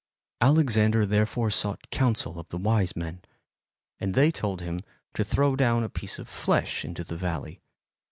Alexander therefore sought counsel of the wise men, and they told him to throw down a piece of flesh into the valley.